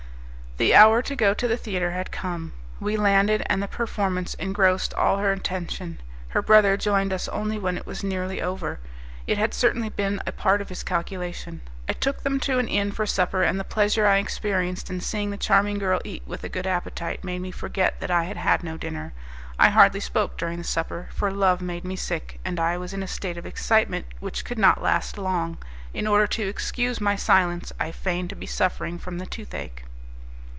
The hour to go to the theatre had come; we landed, and the performance engrossed all her attention. Her brother joined us only when it was nearly over; it had certainly been a part of his calculation. I took them to an inn for supper, and the pleasure I experienced in seeing the charming girl eat with a good appetite made me forget that I had had no dinner. I hardly spoke during the supper, for love made me sick, and I was in a state of excitement which could not last long. In order to excuse my silence, I feigned to be suffering from the toothache.